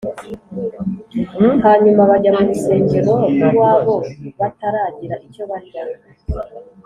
hanyuma bajya mu rusengero rw’iwabo bataragira icyo barya